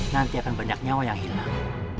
nanti akan banyak nyawa yang hilang